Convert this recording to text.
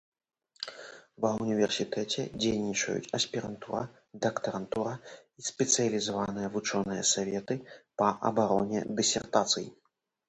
Ва ўніверсітэце дзейнічаюць аспірантура, дактарантура і спецыялізаваныя вучоныя саветы па абароне дысертацый.